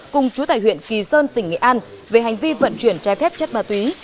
cùng chú tài huyện kỳ sơn tỉnh nghệ an về hành vi vận chuyển trái phép chất ma túy